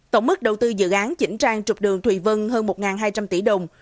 tổng mức đầu tư dự án chỉnh trang trục đường thùy vân hơn một hai trăm linh tỷ đồng